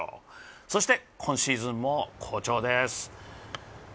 そして今シーズンも好調です。